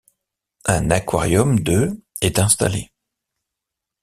Un aquarium de est installé.